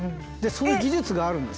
そういう技術があるんです。